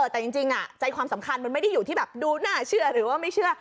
แต่จริงใจความสำคัญมันไม่ได้อยู่ที่แบบดูน่าเชื่อหรือว่าไม่เชื่อ